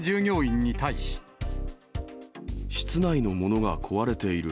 室内のものが壊れている。